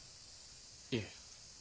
いえ。